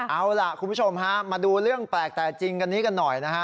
เอาล่ะคุณผู้ชมฮะมาดูเรื่องแปลกแต่จริงกันนี้กันหน่อยนะฮะ